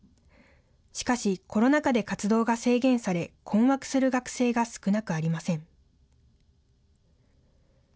しかし、コロナ禍で活動が制限され、困惑する学生が少なくありません。